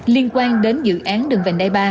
liên quan đến dự án đường venday ba